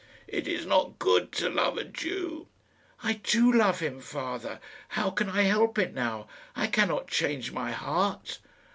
"It is not good to love a Jew." "I do love him, father. How can I help it now? I cannot change my heart."